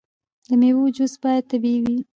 د میوو جوس باید طبیعي وي.